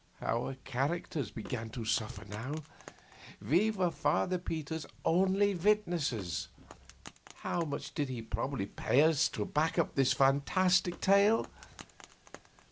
Our characters began to suffer now. We were Father Peter's only witnesses; how much did he probably pay us to back up his fantastic tale?